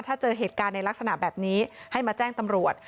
ถ้าเจอเหตุการณ์ในลักษณะแบบนี้ให้มาแจ้งตำรวจ